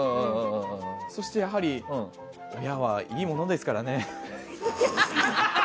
そして、やはり親はいいものですからね。